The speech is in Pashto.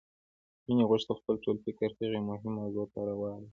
مينې غوښتل خپل ټول فکر هغې مهمې موضوع ته واړوي.